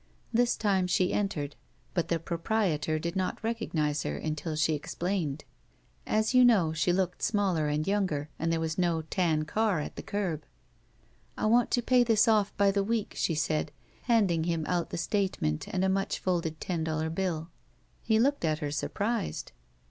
This time she entered, but the proprietor did not recognize her imtil she explained. As you know, she looked smaller and yotmger, and there was no tan car at the curb. "I want to pay this off by the week," she said, handing him out the statement and a mudi folded ten dollar bill. He looked at her, surprised.